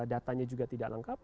lahan petani juga tidak lengkap